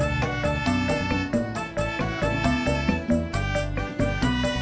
alah kok yang lebih